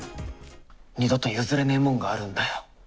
二度と譲れねぇもんがあるん